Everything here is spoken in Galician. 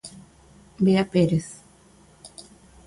Bea Pérez.